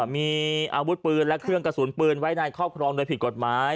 มีอาวุธปืนและเครื่องกระสุนปืนไว้ในครอบครองโดยผิดกฎหมาย